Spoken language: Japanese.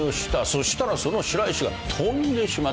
そしたらその白石が飛んでしまった。